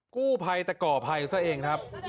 กู้ไพแต่ก่อไพซะเองนะครับ